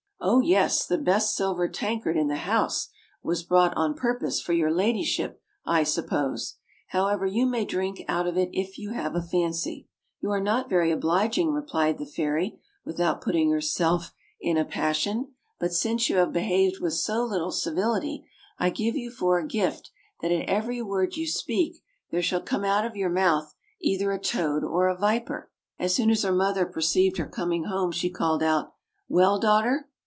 Oh, yes, the best silver tankard in the house was brought on purpose for your ladyship, I sup pose! However, you may drink out of it if you have a fancy." "You are not very obliging," replied the fairy, without putting herself in a passion; "but since you have be haved with so little civility, I give you for a gift that at every word you speak there shall come out of your mouth either a toad or a viper." As soon as her mother perceived her coming home she Called out: "Well, daughter!"